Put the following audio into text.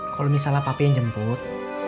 kalau misalnya papi yang jemput